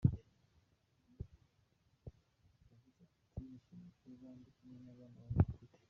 Yagize ati “Nishimiye kuba ndi kumwe n’abana bane dufite.